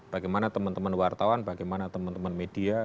bagaimana teman teman wartawan bagaimana teman teman media